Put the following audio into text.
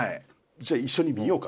じゃあ一緒に見ようか。